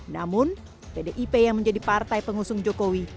namun pdip yang menjadi partai pengusung jokowi